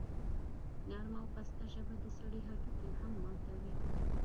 نرمه او پسته ژبه د سړي هډوکي هم ماتوي.